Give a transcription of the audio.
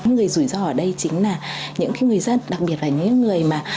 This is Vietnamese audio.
người rủi ro ở đây chính là những người dân đặc biệt là những người mà